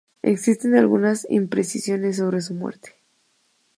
Existen algunas imprecisiones sobre su muerte.